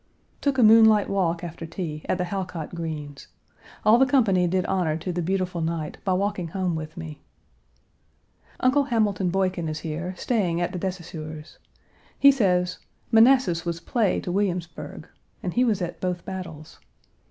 Took a moonlight walk after tea at the Halcott Greens'. All the company did honor to the beautiful night by walking home with me. Uncle Hamilton Boykin is here, staying at the de Saussures'. He says, "Manassas was play to Williamsburg," and he was at both battles.